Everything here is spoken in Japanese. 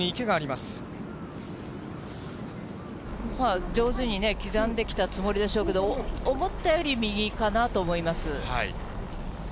まあ、上手にね、刻んできたつもりでしょうけど、思ったより右かなと思います。